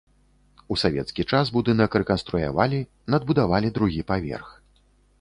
У савецкі час будынак рэканструявалі, надбудавалі другі паверх.